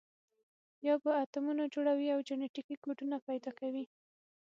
یا به اتمونه جوړوي او جنټیکي کوډونه پیدا کوي.